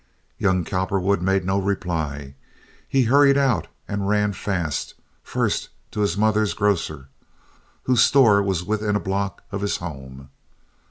Young Cowperwood made no reply. He hurried out and ran fast; first, to his mother's grocer, whose store was within a block of his home.